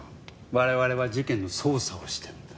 我々は事件の捜査をしてるんだ。